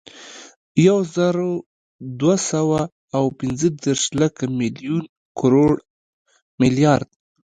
یوزرودوهسوه اوپنځهدېرش، لک، ملیون، کروړ، ملیارد